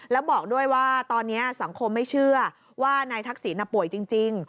แล้วบอกด้วยว่าตอนนี้สังคมไม่เชื่อว่านายทักษิณป่วยจริง